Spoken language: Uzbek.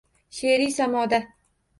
She’riy samoda